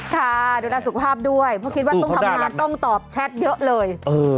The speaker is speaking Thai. ค่ะดูแลสุขภาพด้วยเพราะคิดว่าต้องทำงานต้องตอบแชทเยอะเลย